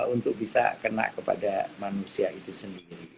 untuk bisa kena kepada manusia itu sendiri